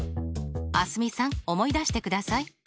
蒼澄さん思い出してください。